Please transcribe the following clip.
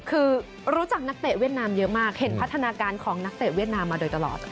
คือรู้จักนักเตะเวียดนามเยอะมากเห็นพัฒนาการของนักเตะเวียดนามมาโดยตลอดค่ะ